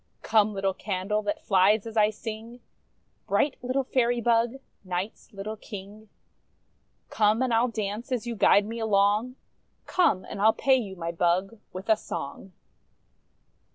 Come, little candle, that flies as I sing, Bright little Fairy bug, Night's little King; Come, and I 'II dance as you guide me along, Come, and I'll pay you, my bug, with a song!